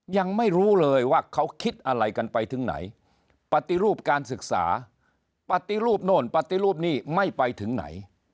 ยังไม่รู้เลยว่าเขาคิดอะไรกันไปถึงไหนปฏิรูปการศึกษาปฏิรูปโน่นปฏิรูปนี้ไม่ไปถึงไหน